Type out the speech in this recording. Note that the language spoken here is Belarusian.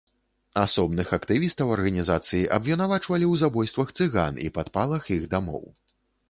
Асобных актывістаў арганізацыі абвінавачвалі ў забойствах цыган і падпалах іх дамоў.